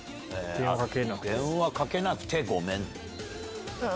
「電話かけなくてごめん」。